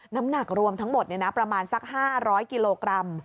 น้ำหนักรวมทั้งหมดประมาณสัก๕๐๐กิโลกรัม